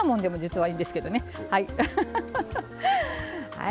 はい。